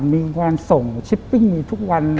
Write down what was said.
มีวันส่งทริปมีประสิทธิ์ต้องการฉันด้วย